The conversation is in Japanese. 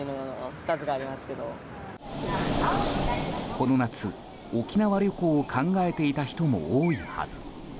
この夏、沖縄旅行を考えていた人も多いはず。